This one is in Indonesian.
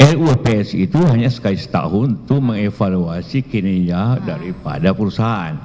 ruapsi itu hanya sekali setahun untuk mengevaluasi kinerja daripada perusahaan